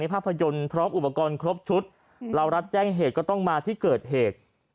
ภาพยนตร์พร้อมอุปกรณ์ครบชุดเรารับแจ้งเหตุก็ต้องมาที่เกิดเหตุ